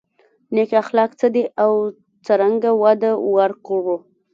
نېک اخلاق څه دي او څرنګه وده ورکړو.